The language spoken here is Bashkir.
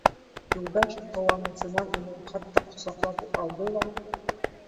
Юлдаш ҡыуанысынан уны хатта ҡосаҡлап уҡ алды ла: